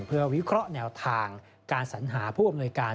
เพื่อวิเคราะห์แนวทางการสัญหาผู้อำนวยการ